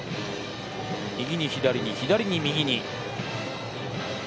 右に左に、左に右に。